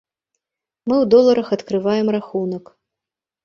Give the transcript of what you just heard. Мы ў доларах адкрываем рахунак.